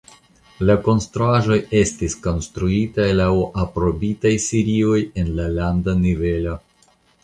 La konstruaĵoj estis konstruitaj laŭ aprobitaj serioj en la landa nivelo.